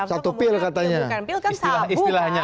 satu pil katanya